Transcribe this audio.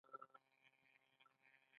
ټول مواد له ذرو جوړ شوي.